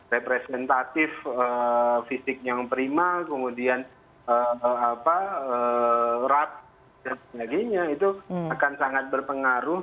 representatif fisik yang prima kemudian rapi dan sebagainya itu akan sangat berpengaruh